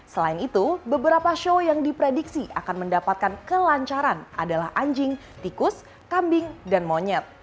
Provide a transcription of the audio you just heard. selain itu beberapa show yang diprediksi akan mendapatkan kelancaran adalah anjing tikus kambing dan monyet